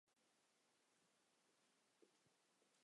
神志的传说有抄袭黄帝时期仓颉造字的嫌疑。